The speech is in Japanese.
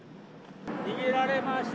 逃げられました。